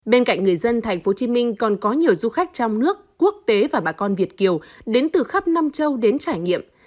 bên cạnh người dân tp hcm còn có nhiều du khách trong nước quốc tế và bà con việt kiều đến từ khắp nam châu đến trải nghiệm